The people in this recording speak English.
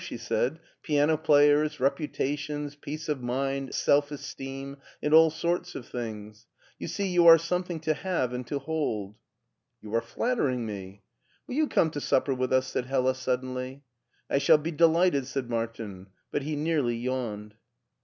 she said ;" piano players, reputations, peace of mind, self esteem, and all sorts of things. You iet you are something to have and to hold." " You are flattering me," "Will you come to supper with us?" said Hella suddenly. " I shall be delighted," said Martin ; but he nearly yawned.